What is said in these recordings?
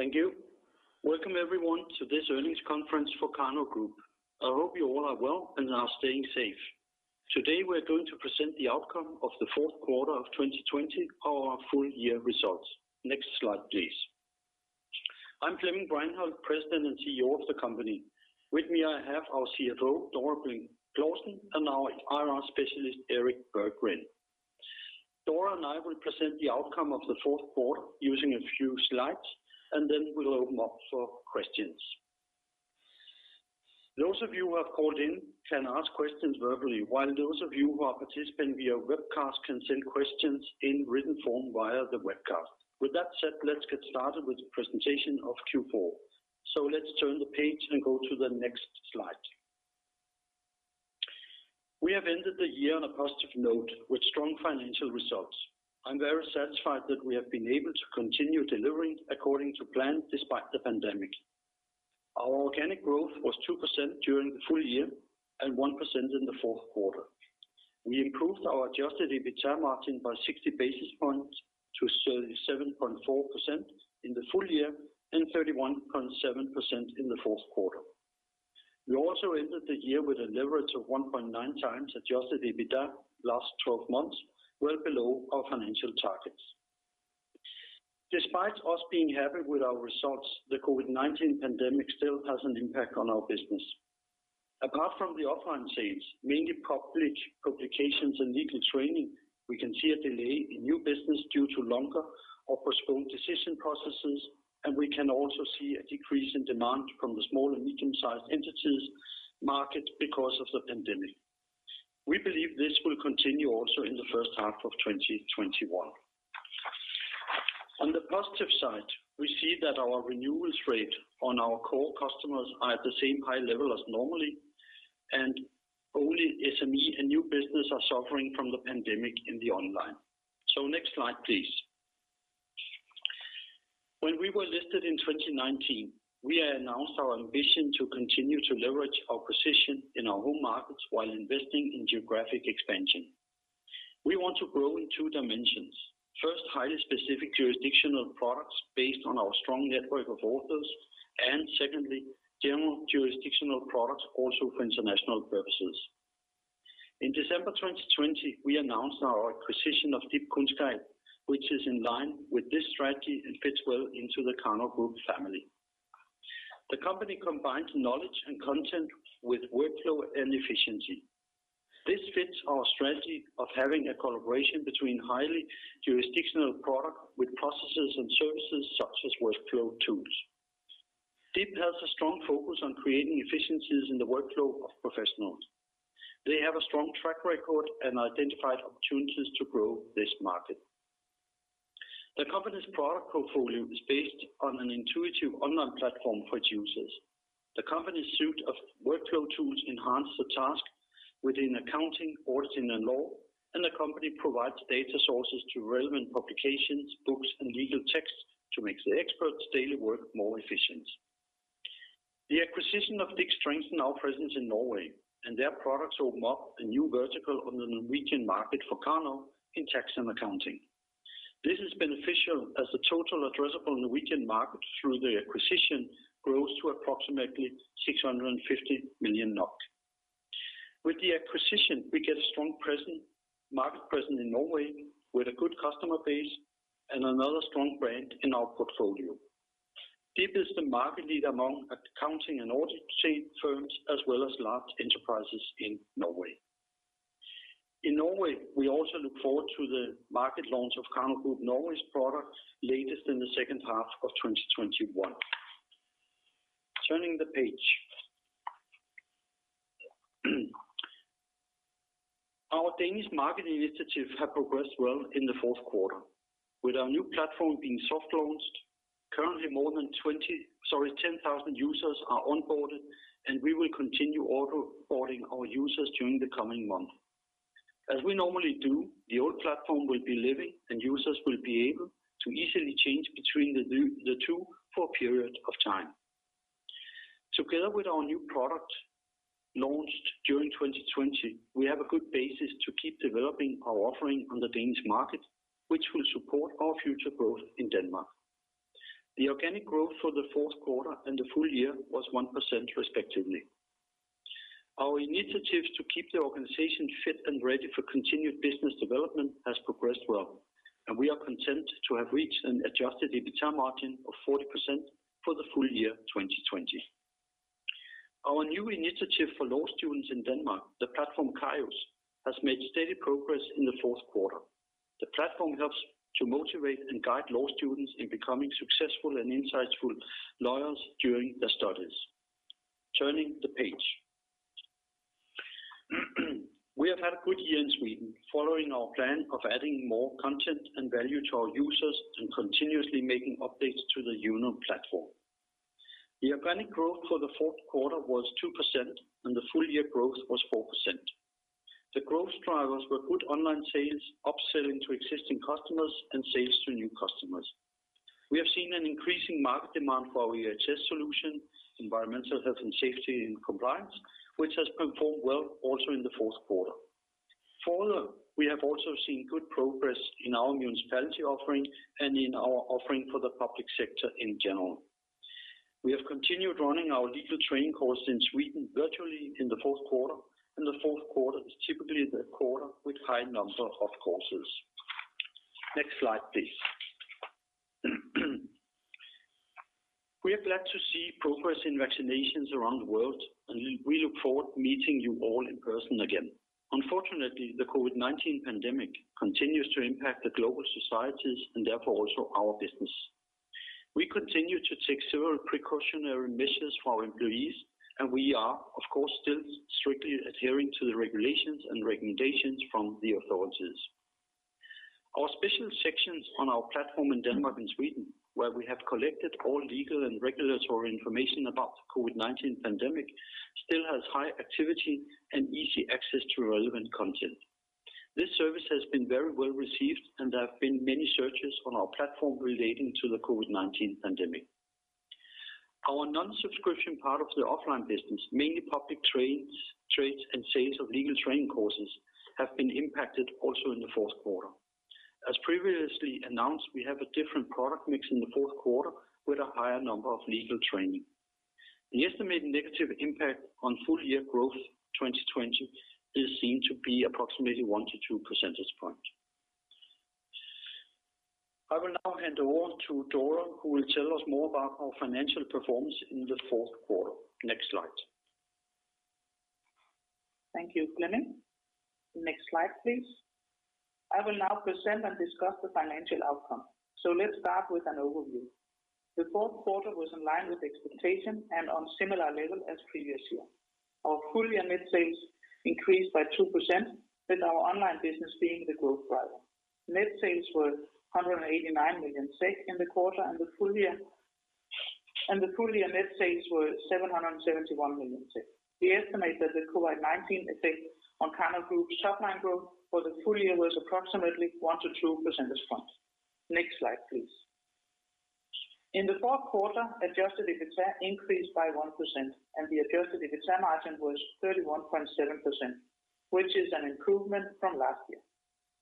Thank you. Welcome, everyone, to this earnings conference for Karnov Group. I hope you all are well and are staying safe. Today, we're going to present the outcome of the fourth quarter of 2020, our full year results. Next slide, please. I'm Flemming Breinholt, President and CEO of the company. With me, I have our CFO, Dora Brink Clausen, and our IR specialist, Erik Berggren. Dora and I will present the outcome of the fourth quarter using a few slides, and then we'll open up for questions. Those of you who have called in can ask questions verbally, while those of you who are participating via webcast can send questions in written form via the webcast. With that said, let's get started with the presentation of Q4. Let's turn the page and go to the next slide. We have ended the year on a positive note with strong financial results. I'm very satisfied that we have been able to continue delivering according to plan despite the pandemic. Our organic growth was 2% during the full-year and 1% in the fourth quarter. We improved our adjusted EBITDA margin by 60 basis points to 37.4% in the full year and 31.7% in the fourth quarter. We also ended the year with a leverage of 1.9x adjusted EBITDA last 12 months, well below our financial targets. Despite us being happy with our results, the COVID-19 pandemic still has an impact on our business. Apart from the offline sales, mainly publications and legal training, we can see a delay in new business due to longer or postponed decision processes, and we can also see a decrease in demand from the small and medium-sized entities market because of the pandemic. We believe this will continue also in the first half of 2021. On the positive side, we see that our renewals rate on our core customers are at the same high level as normally, and only SME and new business are suffering from the pandemic in the online. Next slide, please. When we were listed in 2019, we announced our ambition to continue to leverage our position in our home markets while investing in geographic expansion. We want to grow in two dimensions. First, highly specific jurisdictional products based on our strong network of authors, and secondly, general jurisdictional products also for international purposes. In December 2020, we announced our acquisition of DIBkunnskap, which is in line with this strategy and fits well into the Karnov Group family. The company combines knowledge and content with workflow and efficiency. This fits our strategy of having a collaboration between highly jurisdictional product with processes and services such as workflow tools. DIB has a strong focus on creating efficiencies in the workflow of professionals. They have a strong track record and identified opportunities to grow this market. The company's product portfolio is based on an intuitive online platform for users. The company's suite of workflow tools enhance the task within accounting, auditing, and law, and the company provides data sources to relevant publications, books, and legal texts to make the experts' daily work more efficient. The acquisition of DIB strengthen our presence in Norway, and their products open up a new vertical on the Norwegian market for Karnov in tax and accounting. This is beneficial as the total addressable Norwegian market through the acquisition grows to approximately 650 million NOK. With the acquisition, we get a strong market presence in Norway with a good customer base and another strong brand in our portfolio. DIB is the market leader among accounting and auditing firms, as well as large enterprises in Norway. In Norway, we also look forward to the market launch of Karnov Group Norway's product latest in the second half of 2021. Turning the page. Our Danish marketing initiatives have progressed well in the fourth quarter. With our new platform being soft-launched, currently more than 10,000 users are onboarded, and we will continue onboarding our users during the coming month. As we normally do, the old platform will be living, and users will be able to easily change between the two for a period of time. Together with our new product launched during 2020, we have a good basis to keep developing our offering on the Danish market, which will support our future growth in Denmark. The organic growth for the fourth quarter and the full year was 1% respectively. Our initiatives to keep the organization fit and ready for continued business development has progressed well, and we are content to have reached an adjusted EBITDA margin of 40% for the full year 2020. Our new initiative for law students in Denmark, the platform Kairos, has made steady progress in the fourth quarter. The platform helps to motivate and guide law students in becoming successful and insightful lawyers during their studies. Turning the page. We have had a good year in Sweden, following our plan of adding more content and value to our users and continuously making updates to the JUNO platform. The organic growth for the fourth quarter was 2%, and the full year growth was 4%. The growth drivers were good online sales, upselling to existing customers, and sales to new customers. We have seen an increasing market demand for our EHS solution, environmental health and safety and compliance, which has performed well also in the fourth quarter. Further, we have also seen good progress in our municipality offering and in our offering for the public sector in general. We have continued running our legal training course in Sweden virtually in the fourth quarter, and the fourth quarter is typically the quarter with high number of courses. Next slide, please. We are glad to see progress in vaccinations around the world, and we look forward to meeting you all in person again. Unfortunately, the COVID-19 pandemic continues to impact the global societies and therefore also our business. We continue to take several precautionary measures for our employees, and we are, of course, still strictly adhering to the regulations and recommendations from the authorities. Our special sections on our platform in Denmark and Sweden, where we have collected all legal and regulatory information about the COVID-19 pandemic, still has high activity and easy access to relevant content. This service has been very well received, and there have been many searches on our platform relating to the COVID-19 pandemic. Our non-subscription part of the offline business, mainly public trades and sales of legal training courses, have been impacted also in the fourth quarter. As previously announced, we have a different product mix in the fourth quarter with a higher number of legal training. The estimated negative impact on full-year growth 2020 is seen to be approximately one to two percentage points. I will now hand over to Dora, who will tell us more about our financial performance in the fourth quarter. Next slide. Thank you, Flemming. Next slide, please. I will now present and discuss the financial outcome. Let's start with an overview. The fourth quarter was in line with expectation and on similar level as previous year. Our full-year net sales increased by 2% with our online business being the growth driver. Net sales were 189 million SEK in the quarter. The full-year net sales were 771 million SEK. We estimate that the COVID-19 effect on Karnov Group top-line growth for the full year was approximately one to two percentage points. Next slide, please. In the fourth quarter, adjusted EBITA increased by 1%. The adjusted EBITA margin was 31.7%, which is an improvement from last year.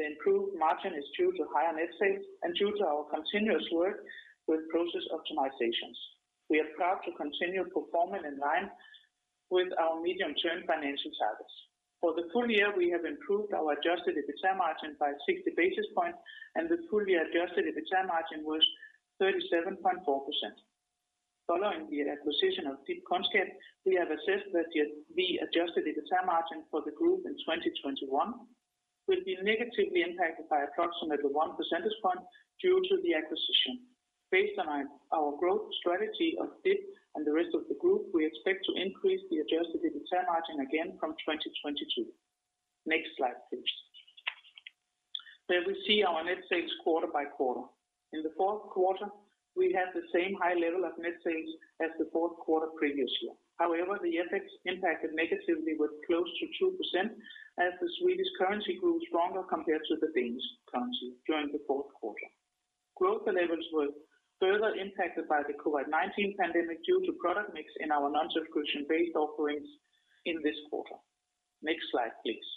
The improved margin is due to higher net sales and due to our continuous work with process optimizations. We are proud to continue performing in line with our medium-term financial targets. For the full year, we have improved our adjusted EBITA margin by 60 basis points, and the full-year adjusted EBITA margin was 37.4%. Following the acquisition of DIBkunnskap, we have assessed that the adjusted EBITA margin for the group in 2021 will be negatively impacted by approximately one percentage point due to the acquisition. Based on our growth strategy of DIB and the rest of the group, we expect to increase the adjusted EBITA margin again from 2022. Next slide, please. There we see our net sales quarter by quarter. In the fourth quarter, we had the same high level of net sales as the fourth quarter previous year. However, the FX impacted negatively with close to 2% as the Swedish currency grew stronger compared to the Danish currency during the fourth quarter. Growth levels were further impacted by the COVID-19 pandemic due to product mix in our non-subscription-based offerings in this quarter. Next slide, please.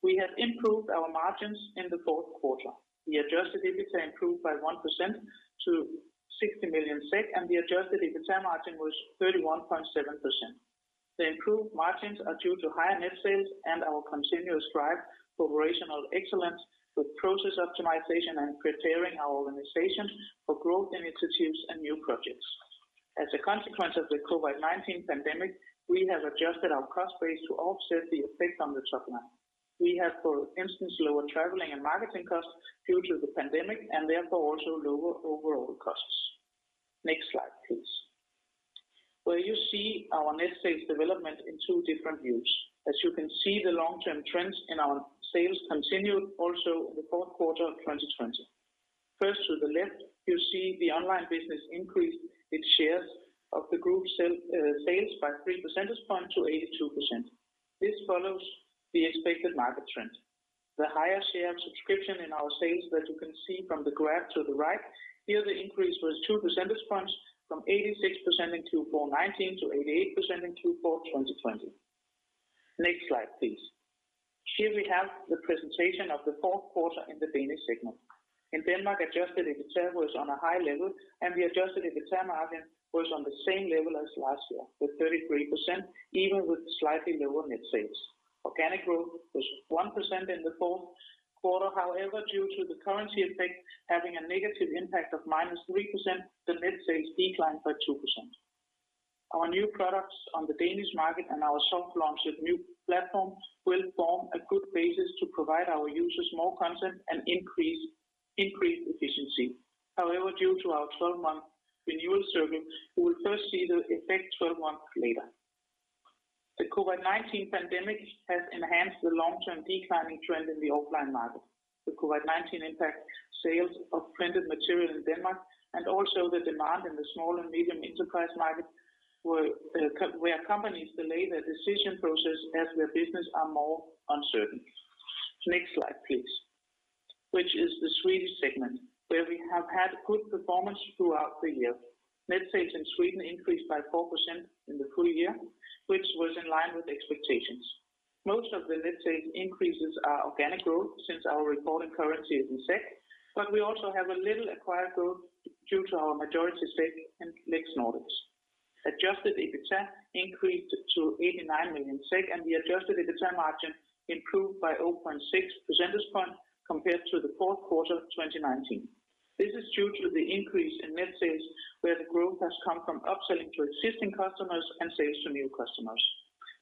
We have improved our margins in the fourth quarter. The adjusted EBITA improved by 1% to 60 million SEK, and the adjusted EBITA margin was 31.7%. The improved margins are due to higher net sales and our continuous drive for operational excellence with process optimization and preparing our organization for growth initiatives and new projects. As a consequence of the COVID-19 pandemic, we have adjusted our cost base to offset the effect on the top line. We have, for instance, lower traveling and marketing costs due to the pandemic and therefore also lower overall costs. Next slide, please. Where you see our net sales development in two different views. As you can see, the long-term trends in our sales continued also in the fourth quarter of 2020. First to the left, you see the online business increased its shares of the group sales by three percentage points to 82%. This follows the expected market trend. The higher share of subscription in our sales that you can see from the graph to the right, here the increase was two percentage points from 86% in Q4 2019 to 88% in Q4 2020. Next slide, please. Here we have the presentation of the fourth quarter in the Danish segment. In Denmark, adjusted EBITA was on a high level, and the adjusted EBITA margin was on the same level as last year with 33%, even with slightly lower net sales. Organic growth was 1% in the fourth quarter. However, due to the currency effect having a negative impact of -3%, the net sales declined by 2%. Our new products on the Danish market and our soft launch of new platform will form a good basis to provide our users more content and increase efficiency. However, due to our 12-month renewal service, we will first see the effect 12 months later. The COVID-19 pandemic has enhanced the long-term declining trend in the offline market. The COVID-19 impact sales of printed material in Denmark and also the demand in the small and medium enterprise market where companies delay their decision process as their business are more uncertain. Next slide, please. Which is the Swedish segment, where we have had good performance throughout the year. Net sales in Sweden increased by 4% in the full year, which was in line with expectations. Most of the net sales increases are organic growth since our reported currency is in SEK, but we also have a little acquired growth due to our majority stake in LEXNordics. Adjusted EBITDA increased to 89 million SEK, and the adjusted EBITDA margin improved by 0.6 percentage point compared to the fourth quarter of 2019. This is due to the increase in net sales, where the growth has come from upselling to existing customers and sales to new customers.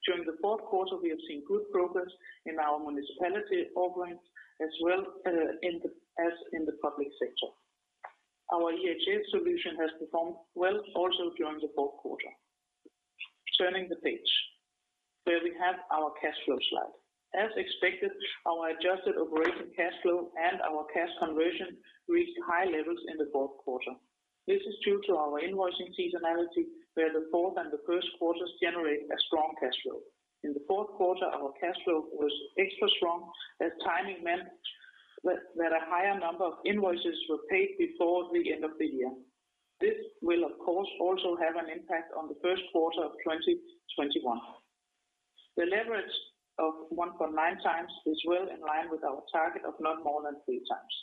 During the fourth quarter, we have seen good progress in our municipality offerings as well as in the public sector. Our EHS solution has performed well also during the fourth quarter. Turning the page. Where we have our cash flow slide. As expected, our adjusted operating cash flow and our cash conversion reached high levels in the fourth quarter. This is due to our invoicing seasonality, where the fourth and the first quarters generate a strong cash flow. In the fourth quarter, our cash flow was extra strong as timing meant that a higher number of invoices were paid before the end of the year. This will, of course, also have an impact on the first quarter of 2021. The leverage of 1.9X is well in line with our target of not more than three times.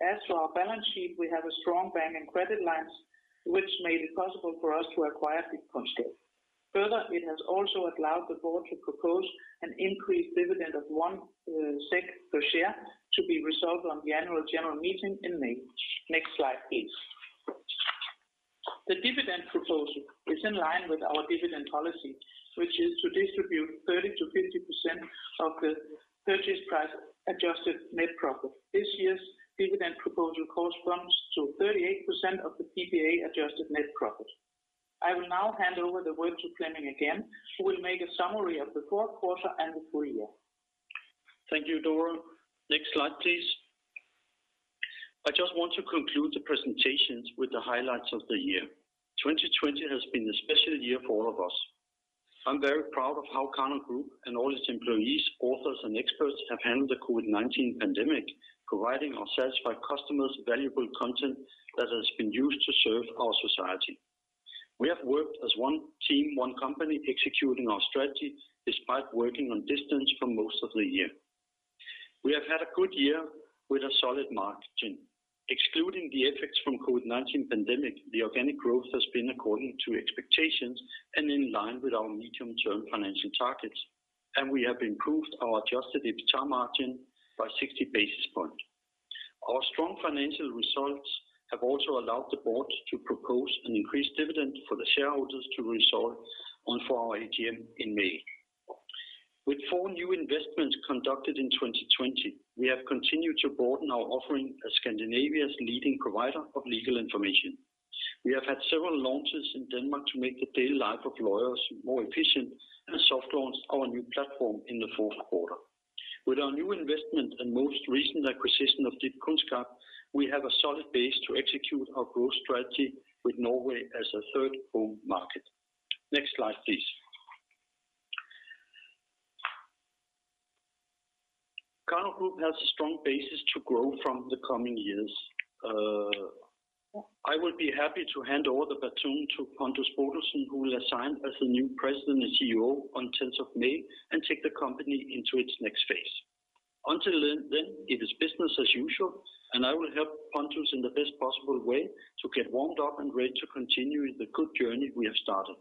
As for our balance sheet, we have a strong bank and credit lines, which made it possible for us to acquire DIBkunnskap. Further, it has also allowed the board to propose an increased dividend of 1 SEK per share to be resolved on the annual general meeting in May. Next slide, please. The dividend proposal is in line with our dividend policy, which is to distribute 30%-50% of the purchase price adjusted net profit. This year's dividend proposal corresponds to 38% of the PPA adjusted net profit. I will now hand over the word to Flemming again, who will make a summary of the fourth quarter and the full year. Thank you, Dora. Next slide, please. I just want to conclude the presentations with the highlights of the year. 2020 has been a special year for all of us. I'm very proud of how Karnov Group and all its employees, authors, and experts have handled the COVID-19 pandemic, providing our satisfied customers valuable content that has been used to serve our society. We have worked as one team, one company, executing our strategy despite working on distance for most of the year. We have had a good year with a solid margin. Excluding the effects from COVID-19 pandemic, the organic growth has been according to expectations and in line with our medium-term financial targets, and we have improved our adjusted EBITA margin by 60 basis point. Our strong financial results have also allowed the board to propose an increased dividend for the shareholders to resolve on for our AGM in May. With four new investments conducted in 2020, we have continued to broaden our offering as Scandinavia's leading provider of legal information. We have had several launches in Denmark to make the daily life of lawyers more efficient and soft launched our new platform in the fourth quarter. With our new investment and most recent acquisition of DIBkunnskap, we have a solid base to execute our growth strategy with Norway as a third home market. Next slide, please. Karnov Group has a strong basis to grow from the coming years. I will be happy to hand over the baton to Pontus Bodelsson, who will assign as the new President and CEO on 10th of May and take the company into its next phase. Until then, it is business as usual, and I will help Pontus in the best possible way to get warmed up and ready to continue the good journey we have started.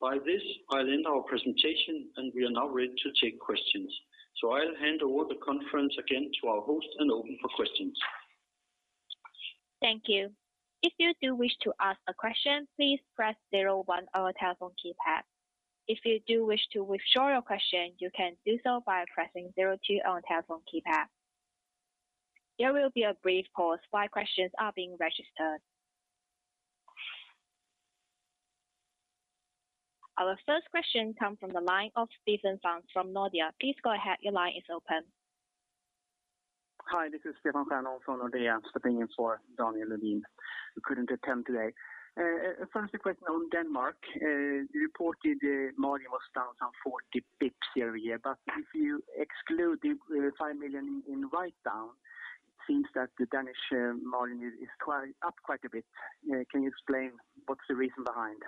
By this, I'll end our presentation, and we are now ready to take questions. I'll hand over the conference again to our host and open for questions. Thank you. If you do wish to ask a question, please press one on our telephone keypad. If you do wish to withdraw your question, you can do so by pressing two on your telephone keypad. There will be a brief pause while questions are being registered. Our first question comes from the line of Stephen Sand from Nordea. Please go ahead, your line is open. Hi, this is Stephen Sand from Nordea, stepping in for Daniel Levin, who couldn't attend today. First question on Denmark. You reported the margin was down some 40 basis points year-over-year, but if you exclude the 5 million in write-down, it seems that the Danish margin is up quite a bit. Can you explain what's the reason behind?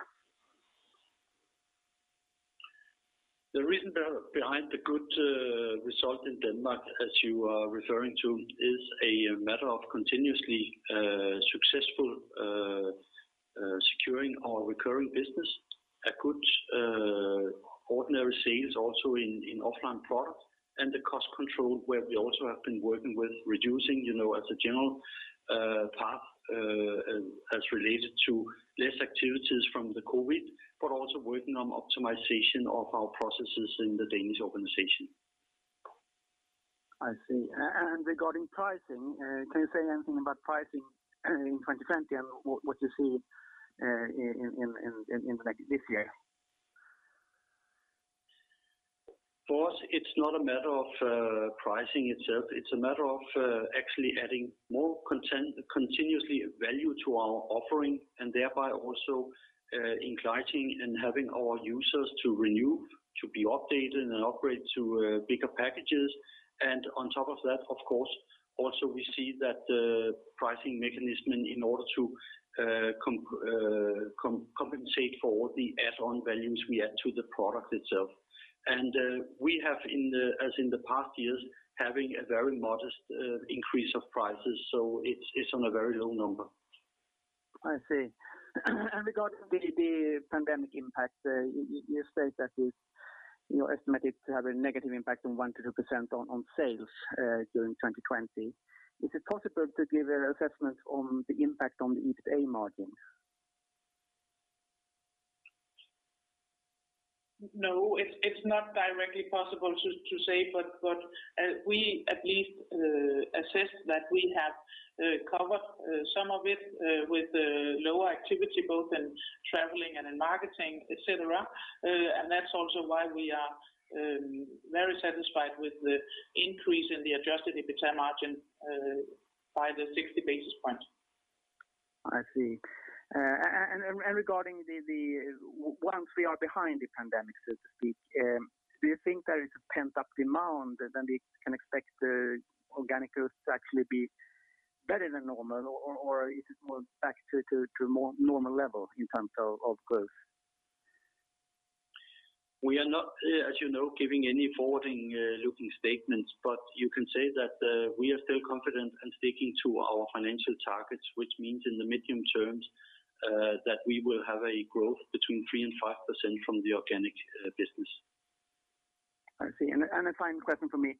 The reason behind the good result in Denmark, as you are referring to, is a matter of continuously successful securing our recurring business, a good ordinary sales also in offline product and the cost control, where we also have been working with reducing, as a general path, as related to less activities from the COVID-19, but also working on optimization of our processes in the Danish organization. I see. Regarding pricing, can you say anything about pricing in 2020 and what you see in this year? For us, it's not a matter of pricing itself. It's a matter of actually adding more continuously value to our offering and thereby also inviting and having our users to renew, to be updated and operate to bigger packages. On top of that, of course, also we see that the pricing mechanism in order to compensate for the add-on values we add to the product itself. We have, as in the past years, having a very modest increase of prices, so it's on a very low number. I see. Regarding the pandemic impact, you state that it's estimated to have a negative impact on 1%-2% on sales during 2020. Is it possible to give an assessment on the impact on the EBITA margin? No, it's not directly possible to say, but we at least assess that we have covered some of it with lower activity, both in traveling and in marketing, et cetera. That's also why we are very satisfied with the increase in the adjusted EBITA margin by the 60 basis points. I see. Regarding once we are behind the pandemic, so to speak, do you think there is a pent-up demand, then we can expect the organic growth to actually be better than normal, or is it more back to more normal level in terms of growth? We are not, as you know, giving any forward-looking statements, but you can say that we are still confident in sticking to our financial targets, which means in the medium terms that we will have a growth between 3% and 5% from the organic business. I see. A final question from me.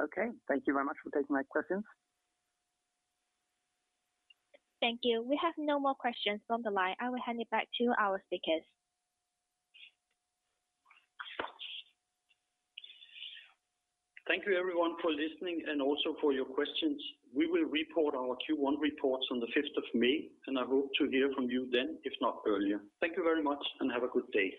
Okay. Thank you very much for taking my questions. Thank you. We have no more questions from the line. I will hand it back to our speakers. Thank you everyone for listening and also for your questions. We will report our Q1 reports on the 5th of May, and I hope to hear from you then, if not earlier. Thank you very much and have a good day.